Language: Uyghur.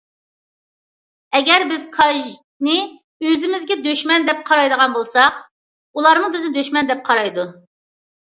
ئەگەر بىز كاجنى ئۆزىمىزگە دۈشمەن دەپ قارايدىغان بولساق، ئۇلارمۇ بىزنى دۈشمەن دەپ قارايدۇ.